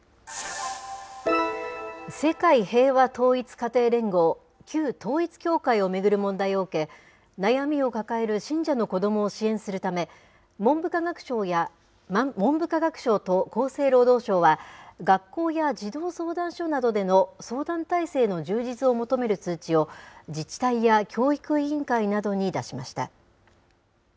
世界平和統一家庭連合、旧統一教会を巡る問題を受け、悩みを抱える信者の子どもを支援するため、文部科学省と厚生労働省は、学校や児童相談所などでの相談体制の充実を求める通知を、自治体や教育委員会などに出しました。